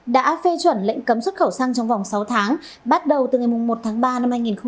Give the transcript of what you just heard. đã phê chuẩn lệnh cấm xuất khẩu xăng trong vòng sáu tháng bắt đầu từ ngày một tháng ba năm hai nghìn hai mươi